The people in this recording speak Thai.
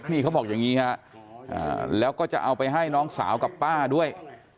นี่เขาบอกอย่างนี้ฮะแล้วก็จะเอาไปให้น้องสาวกับป้าด้วย